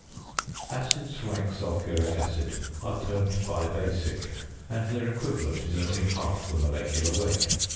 Acids like sulphuric acid are termed bibasic, and their equivalent is only half the molecular weight.